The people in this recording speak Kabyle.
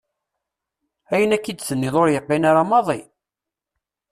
Ayen akka i d-tenniḍ ur yeqqin ara maḍi!